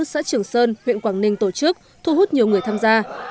xã trường sơn huyện quảng ninh tổ chức thu hút nhiều người tham gia